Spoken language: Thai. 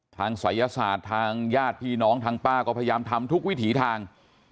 ศัยศาสตร์ทางญาติพี่น้องทางป้าก็พยายามทำทุกวิถีทาง